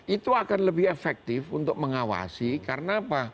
itu akan lebih efektif untuk mengawasi karena apa